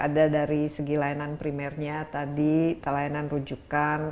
ada dari segi layanan primernya tadi layanan rujukan